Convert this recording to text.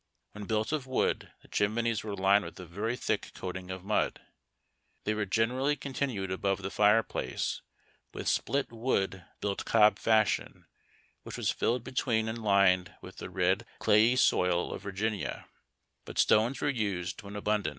When built of wood, the chimneys were lined with a very thick coating of mud. They were o en erally continued above the fireplace with split wood built cob fashion, which was filled between and lined with the red clayey soil of Virginia , but stones were used when abundant.